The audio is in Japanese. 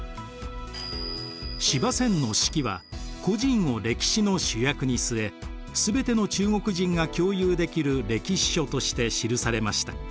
司馬遷の「史記」は個人を歴史の主役に据え全ての中国人が共有できる歴史書として記されました。